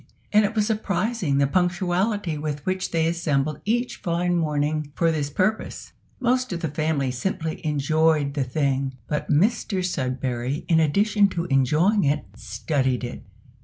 And it was surprising the punctuality with which they assembled each fine morning for this purpose. Most of the family simply enjoyed the thing; but Mr Sudberry, in addition to enjoying it, studied it.